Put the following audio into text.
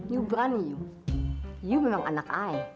yuu berani yuu yuu memang anak ayah